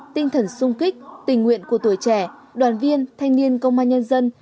tinh thần sung kích tình nguyện của tuổi trẻ đoàn viên thanh niên công an nhân dân